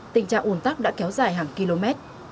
tình trạng ồn tắc đã kéo dài hàng km